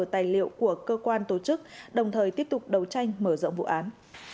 tài liệu của cơ quan tổ chức đồng thời tiếp tục đầu tranh mở rộng vụ án